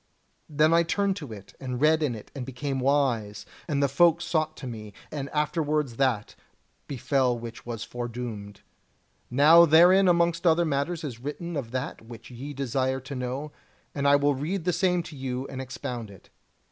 Then I turned to it, and read in it, and became wise, and the folk sought to me, and afterwards that befell which was foredoomed. Now herein amongst other matters is written of that which ye desire to know, and I will read the same to you and expound it.